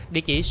điện tử số sáu